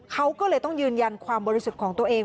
เขาก็เลยต้องยืนยันความบริสุทธิ์ของตัวเอง